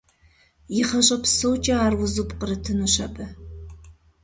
И гъащӀэ псокӀэ ар узу пкърытынущ абы…